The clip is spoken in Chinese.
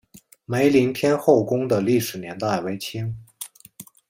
梅林天后宫的历史年代为清。